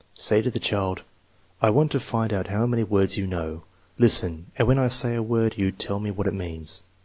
Say to the child: "/ want to find out how many words you know. Listen; and when I say a word you tell me what it means."